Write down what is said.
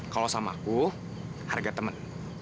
kalau sama aku harga teman